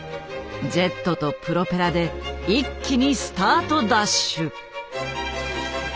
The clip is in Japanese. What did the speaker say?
ジェットとプロペラで一気にスタートダッシュ。